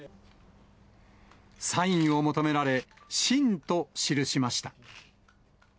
サインを求められ、信と記しました。